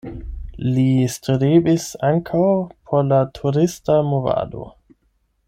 Li strebis ankaŭ por la turista movado.